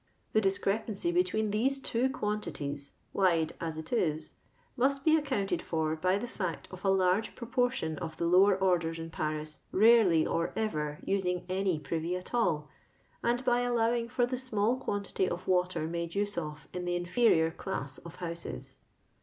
The discrepancy between these two quantities, wide as it is, must be accounted for by the fact of a large proportion of the lower orders in Paris rarely or ever using any privy at all, and by allowing for the small quantity of water made use of in the inferior class of houses.